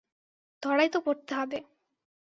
ধরাই তো পড়তে হবে।